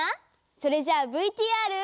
それじゃあＶＴＲ。